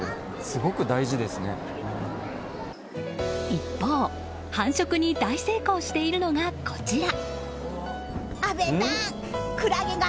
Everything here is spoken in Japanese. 一方繁殖に大成功しているのがこちら。